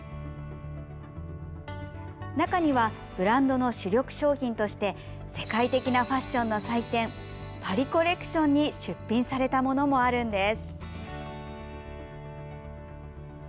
中にはブランドの主力商品として世界的なファッションの祭典パリコレクションに出品されたものもあるんです。